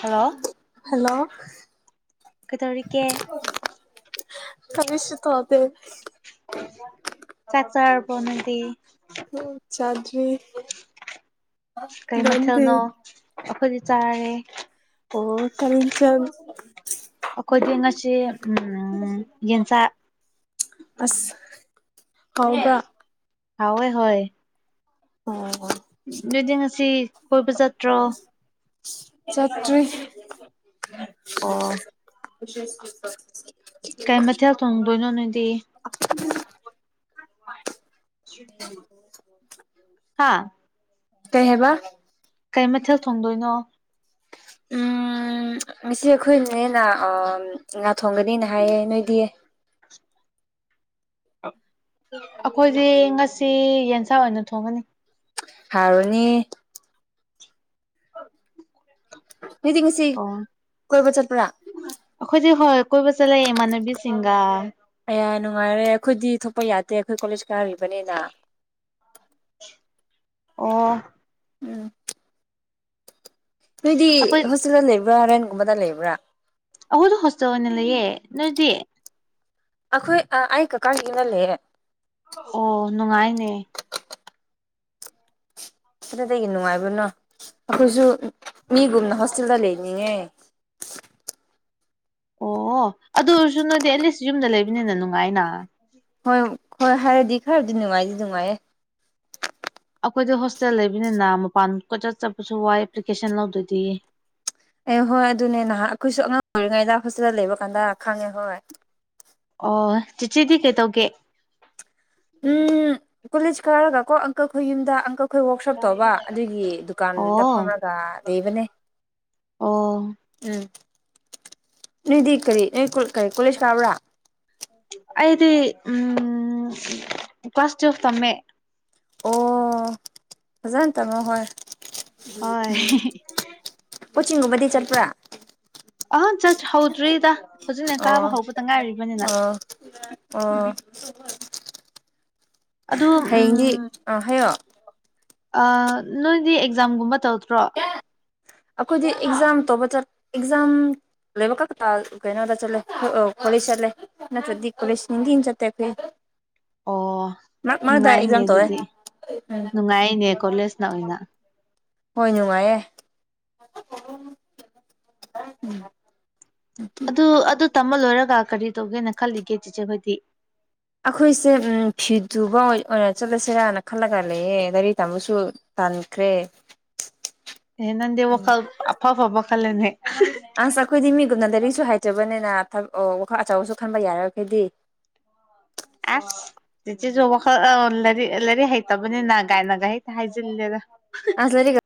hello hello ꯀꯩꯗꯧꯔꯤꯀꯦ ꯀꯔꯤꯁꯨ ꯇꯧꯗꯦ ꯆꯥꯛ ꯆꯥꯔꯕꯣ ꯅꯣꯏꯗꯤ ꯎꯝ ꯆꯥꯗ꯭ꯔꯤ ꯀꯩ ꯅꯪꯗꯤ ꯃꯊꯦꯜꯅꯣ ꯑꯈꯣꯏꯗꯤ ꯆꯥꯔꯦ ꯑꯣ ꯀꯔꯤꯟꯖꯥꯡ ꯑꯈꯣꯏꯗꯤ ꯉꯁꯤ ꯎꯝ ꯌꯦꯟ ꯆꯥꯏ ꯑꯁ ꯀꯥꯎꯕ꯭ꯔꯥ ꯍꯥꯎꯋꯦ ꯍꯣꯏ ꯑꯣ ꯑꯗꯨꯗꯤ ꯉꯁꯤ ꯀꯣꯏꯕ ꯆꯠꯇ꯭ꯔꯣ ꯆꯠꯇ꯭ꯔꯤ ꯑꯣ ꯀꯩ ꯃꯊꯦꯜ ꯊꯣꯡꯗꯣꯏꯅꯣ ꯅꯣꯏꯗꯤ [unintelligible] ꯍꯥꯥ ꯀꯩ ꯍꯥꯏꯕ ꯀꯩ ꯃꯊꯦꯜ ꯊꯣꯡꯗꯣꯏꯅꯣ ꯎꯝ ꯉꯁꯤ ꯑꯩꯈꯣꯏꯅꯦꯅ ꯑꯥꯝ ꯉꯥ ꯊꯣꯡꯒꯅꯤꯅ ꯍꯥꯏꯌꯦ ꯅꯣꯏꯗꯤ ꯑꯈꯣꯏꯗꯤ ꯉꯁꯤ ꯌꯦꯟꯁꯥ ꯑꯣꯏꯅ ꯊꯣꯡꯒꯅꯤ ꯍꯥꯎꯔꯅꯤ [inaudible] ꯑꯣ ꯀꯣꯏꯕ ꯆꯠꯄ꯭ꯔꯥ ꯑꯈꯣꯏꯗꯤ ꯍꯣꯏ ꯀꯣꯏꯕ ꯆꯠꯂꯦ ꯏꯃꯥꯟꯅꯕꯤꯁꯤꯡꯒ ꯑꯌꯥ ꯅꯨꯡꯉꯥꯏꯔꯦ ꯑꯈꯣꯏꯗꯤ ꯊꯣꯛꯄ ꯌꯥꯗꯦ ꯑꯩꯈꯣꯏ ꯀꯣꯂꯦꯖ ꯀꯥꯔꯤꯕꯅꯤꯅ ꯑꯣ ꯎꯝ ꯅꯣꯏꯗꯤ ꯑꯩꯈꯣꯏ ꯍꯣꯁꯇꯦꯜꯗ ꯂꯩꯕ꯭ꯔꯥ ꯔꯦꯟꯒꯨꯝꯕꯗ ꯂꯩꯕ꯭ꯔꯥ ꯑꯈꯣꯏꯗ‌ꯣ ꯍ‌ꯣꯁꯇ‌ꯦꯜ ꯑꯪꯏꯅ ꯂꯩꯌꯦ ꯅꯣꯏꯗꯤ ꯑꯩꯈꯣꯏ ꯑꯥ ꯑꯩ ꯀꯀꯥꯒꯤ ꯌꯨꯝꯗ ꯂꯩꯌ‌ꯦ ꯑꯣ ꯅꯨꯡꯉꯥꯏꯅꯦ ꯀꯗꯥꯏꯗꯒꯤ ꯅꯨꯡꯉꯥꯏꯕꯅꯣ ꯑꯩꯈꯣꯏꯁꯨ ꯃꯤꯒꯨꯝꯅ ꯍꯣꯁꯇꯦꯜꯗ ꯂꯩꯅꯤꯡꯉꯦ ꯑꯣ ꯑꯗꯨ ꯑꯣꯏꯔꯁꯨ ꯅꯣꯏꯗꯤ ꯑꯦꯠꯂꯤꯁ ꯌꯨꯝꯗ ꯂꯩꯕꯅꯤꯅ ꯅꯨꯡꯉꯥꯏꯅ ꯍꯣꯏ ꯍꯣꯏ ꯍꯥꯏꯔꯗꯤ ꯈꯔꯗꯤ ꯅꯨꯡꯉꯥꯏꯗꯤ ꯅꯨꯡꯉꯥꯏꯌꯦ ꯑꯩꯈꯣꯏꯗꯤ ꯍꯣꯁꯇꯦꯜ ꯂꯩꯕꯅꯤꯅ ꯃꯄꯥꯟ ꯀ‌ꯣꯏꯆꯠ ꯆꯠꯄꯁꯨ ꯋꯥꯏ ꯑꯦꯄ꯭ꯂꯤꯀꯦꯁꯟ ꯂꯧꯗ꯭ꯔꯗꯤ ꯑꯦ ꯍꯣꯏ ꯑꯗꯨꯅꯦ ꯅꯍꯥꯛ ꯑꯩꯈꯣꯏꯁꯨ ꯑꯉꯥꯡ ꯑꯣꯏꯔꯤꯉꯩꯗꯥ ꯍꯣꯁꯇ‌ꯦꯜꯗ ꯂꯩꯕ ꯀꯥꯟꯗ ꯈꯪꯉꯦ ꯍꯣꯏ ꯑꯣ ꯆꯤꯆꯤꯗꯤ ꯀꯩꯇꯧꯒꯦ ꯎꯝ ꯀꯣꯂꯦꯖ ꯀꯥꯔꯒ ꯀꯣ ꯑꯪꯀꯜ ꯈꯣꯏ ꯌꯨꯝꯗ ꯑꯪꯀꯜ ꯑꯩꯈꯣꯏ ꯋꯔꯥꯛꯁꯣꯞ ꯇꯧꯕ ꯑꯗꯨꯒꯤ ꯗꯨꯀꯥꯟꯗ ꯑꯣ ꯐꯝꯔꯒ ꯂꯩꯕꯅꯦ ꯑꯣ ꯎꯝ ꯅꯣꯏꯗꯤ ꯀꯔꯤ ꯅꯣꯏ ꯀꯣꯜ ꯀꯔꯤ ꯀꯣꯂꯦꯖ ꯀꯥꯕ꯭ꯔꯥ ꯑꯩꯗꯤ ꯎꯝ ꯀ꯭ꯂꯥꯁ ꯇꯨꯋꯦꯜꯐ ꯇꯝꯃꯦ ꯑꯣ ꯐꯖꯅ ꯇꯃꯣ ꯍꯣꯏ ꯍꯣꯏ ꯎꯝ ꯀꯣꯆꯤꯡꯒꯨꯝꯕꯗꯤ ꯆꯠꯄ꯭ꯔꯥ ꯑ ꯆꯠ ꯍꯧꯗ꯭ꯔꯤꯗ ꯍꯧꯖꯤꯛꯅ ꯑꯣ ꯀꯥꯕ ꯍꯧꯕꯇ ꯉꯥꯏꯔꯤꯕꯅꯤꯅ ꯑꯣ ꯑꯥ ꯑꯗꯣ ꯎꯝ ꯍꯌꯦꯡꯗꯤ ꯑꯥ ꯍꯥꯏꯌꯣ ꯑꯥ ꯅꯣꯏꯗꯤ ꯑꯦꯛꯖꯥꯝꯒꯨꯝꯕ ꯇꯧꯗ꯭ꯔꯣ ꯑꯩꯈꯣꯏꯗꯤ ꯑꯦꯛꯖꯥꯝ ꯇꯧꯕ ꯆ ꯑꯦꯛꯖꯥꯝ ꯂꯩꯕ ꯀꯇꯥ ꯀꯩꯅꯣꯗ ꯆꯠꯂꯦ ꯀꯣꯂ‌ꯦꯁ ꯆꯠꯂꯦ ꯅꯠꯇ꯭ꯔꯗꯤ ꯀ‌ꯣꯂ‌ꯦꯁ ꯅꯨꯡꯇꯤ [unintelligible] ꯑꯣ ꯅꯨꯡꯉꯥꯏꯅꯦ ꯑꯦꯛꯖꯥꯝ ꯇꯧꯋꯦ ꯑꯗꯨꯗꯤ ꯎꯝ ꯅꯨꯡꯉꯥꯏꯅꯦ ꯀꯣꯂꯦꯖꯅ ꯑꯣꯏꯅ ꯍꯣꯏ ꯅꯨꯡꯉꯥꯏꯌꯦ ꯎꯝ ꯑꯗꯨ ꯑꯗꯨ ꯇꯝꯕ ꯂꯣꯏꯔꯒ ꯀꯔꯤ ꯇꯧꯒꯦꯅ ꯈꯜꯂꯤꯒꯦ ꯆꯤꯆꯦꯈꯣꯏꯗꯤ ꯑꯩꯈꯣꯏꯁꯦ ꯐꯤ ꯇꯨꯕ ꯑꯣꯏ ꯑꯣꯏꯅ ꯆꯠꯂꯁꯤꯔꯥꯅ ꯈꯜꯂꯒ ꯂꯩꯌꯦ ꯂꯥꯏꯔꯤꯛ ꯇꯥꯝꯃꯁꯨ ꯇꯟꯈ꯭ꯔꯦ ꯑꯦ ꯅꯪꯗꯤ ꯋꯥꯈꯜ ꯑꯐ ꯑꯐꯕ ꯈꯜꯂꯦꯅꯦ ꯑꯁ ꯑꯩꯈꯣꯏꯗꯤ ꯃꯤꯒꯨꯝꯅ ꯂꯥꯏꯔꯤꯛꯁꯨ ꯍꯥꯏꯇꯕꯅꯤꯅ ꯊꯕꯛ ꯑꯣ ꯋꯥꯈꯜ ꯑꯆꯧꯕꯁꯨ ꯈꯟꯕ ꯌꯥꯔ‌ꯣꯏ ꯈ‌ꯣꯏꯗꯤ ꯑꯁ ꯆꯤꯆꯤꯁꯨ ꯋꯥꯈꯜ ꯂꯥꯏꯔꯤꯛ ꯂꯥꯏꯔꯤꯛ ꯍꯩꯇꯕꯅꯤꯅ ꯒꯥꯏꯅꯒꯥꯏ ꯍ‌ꯦꯛꯇ ꯍꯥꯏꯖꯤꯜꯂꯦꯗ ꯑꯁ ꯂꯥꯏꯔꯤꯛ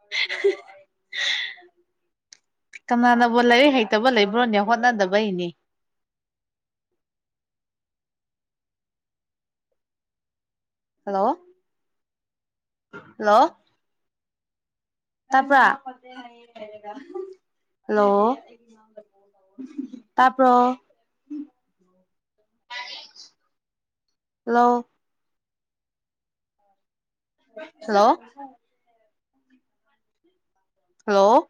[inaudible] ꯀꯅꯥꯅꯕꯨ ꯂꯥꯏꯔꯤꯛ ꯍꯩꯇꯕ ꯂꯩꯕ꯭ꯔꯣꯅꯦ ꯍꯣꯠꯅꯗꯕꯩꯅꯦ ꯍꯜꯂꯣ ꯍꯜꯂꯣ ꯇꯥꯄ꯭ꯔ ꯍꯜꯂꯣ ꯇꯥꯄ꯭ꯔꯣ ꯍꯂꯣ ꯍꯜꯂꯣ ꯍꯜꯂꯣ